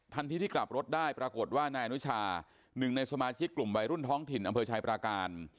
ที่กลับรถได้ปรากฏว่านายอนุชาหนึ่งในสมาชิกกลุ่มวัยรุ่นท้องถิ่นอำเภอชายปราการ